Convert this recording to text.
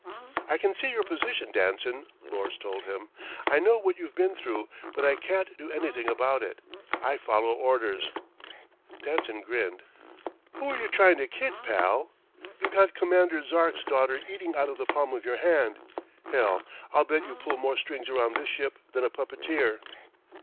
"I can see your position, Danson," Lors told him. "I know what you've been through, but I can't do anything about it. I follow orders." Danson grinned. "Who're you trying to kid, pal. You got Commander Zark's daughter eating out of the palm of your hand. Hell, I'll bet you pull more strings around this ship than a puppeteer."